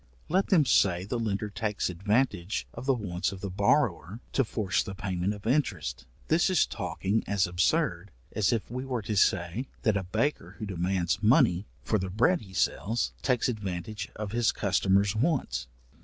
Let them say the lender takes advantage of the wants of the borrower, to force the payment of interest, this is talking as absurd as if we were to say, that a baker who demands money for the bread he sells, takes advantage of his customer's wants.